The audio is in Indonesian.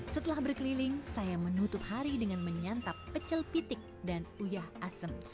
setelah berkeliling saya menutup hari dengan menyantap pecel pitik dan uyah asem